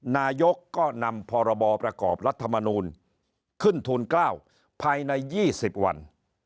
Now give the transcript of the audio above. นายกก็นำพรบประกอบรัฐมนูลขึ้นทูล๙ภายใน๒๐วัน